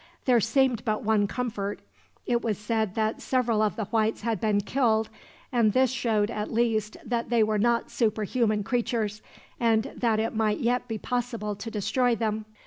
There seemed but one comfort. It was said that several of the Whites had been killed, and this showed, at least, that they were not superhuman creatures, and that it might yet be possible to destroy them.